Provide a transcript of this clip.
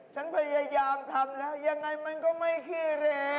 ฉันพยายามทำแล้วยังไงมันก็ไม่ขี้เร